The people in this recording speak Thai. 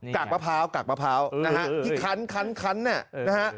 กราบมะพร้าวกราบมะพร้าวนะฮะที่คันนะฮะ